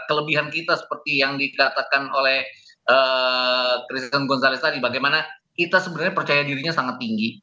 kelebihan kita seperti yang dikatakan oleh christine gonzalez tadi bagaimana kita sebenarnya percaya dirinya sangat tinggi